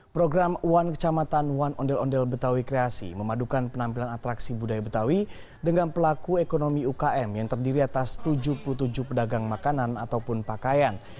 program one kecamatan one ondel ondel betawi kreasi memadukan penampilan atraksi budaya betawi dengan pelaku ekonomi ukm yang terdiri atas tujuh puluh tujuh pedagang makanan ataupun pakaian